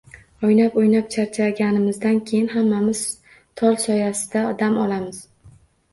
O‘ynab-o‘ynab charchaganimizdan keyin hammamiz tol soyasida dam olamiz.